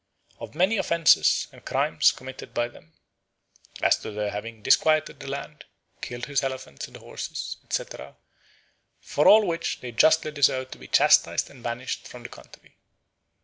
of many offences and crimes committed by them, as to their having disquieted the land, killed his elephants and horses, etc., for all which they justly deserve to be chastised and banished the country.